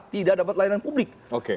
tidak dapat layanan publik